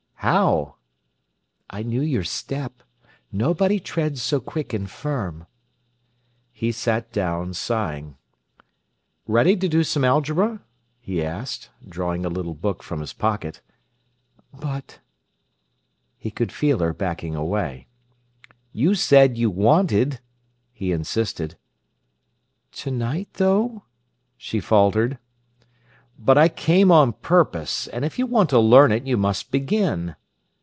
"How?" "I knew your step. Nobody treads so quick and firm." He sat down, sighing. "Ready to do some algebra?" he asked, drawing a little book from his pocket. "But—" He could feel her backing away. "You said you wanted," he insisted. "To night, though?" she faltered. "But I came on purpose. And if you want to learn it, you must begin."